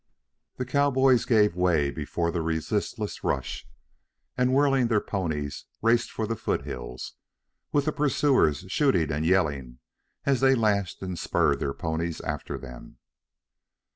The cowboys gave way before the resistless rush, and whirling their ponies, raced for the foothills, with the pursuers shooting and yelling as they lashed and spurred their ponies after them.